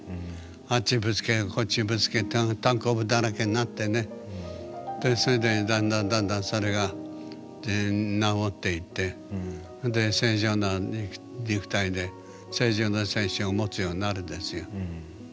あっちぶつけてこっちぶつけてたんこぶだらけになってねでそれでだんだんだんだんそれが治っていってで正常な肉体で正常な精神を持つようになるんですよ。